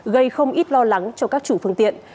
gây không ít lo lắng cho các chủ phương tiện